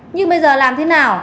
nhưng bây giờ làm thế nào